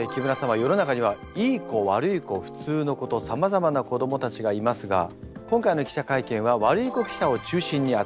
世の中にはいい子悪い子普通の子とさまざまな子どもたちがいますが今回の記者会見は悪い子記者を中心に集まっています。